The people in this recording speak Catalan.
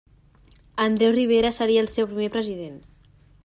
Andreu Ribera seria el seu primer president.